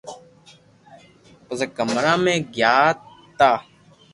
پسي ڪمرا مي گيا تا